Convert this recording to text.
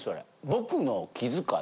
僕の気遣い。